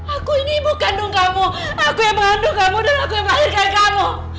aku ini ibu kandung kamu aku yang mengandung kamu dan aku yang mengakhirkan kamu